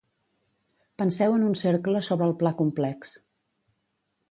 Penseu en un cercle sobre el pla complex.